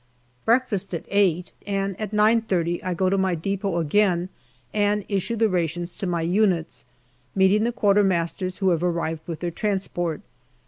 Breakfast at eight, and at 9.30 I go to my depot again and issue the rations to my units, meeting the Q.M.'s who have arrived with their transport.